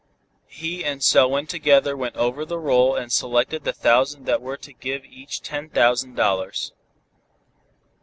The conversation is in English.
He and Selwyn together went over the roll and selected the thousand that were to give each ten thousand dollars.